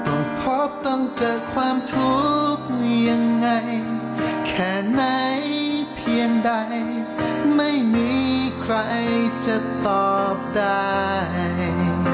พบต้องเกิดความทุกข์ยังไงแค่ไหนเพียงใดไม่มีใครจะตอบได้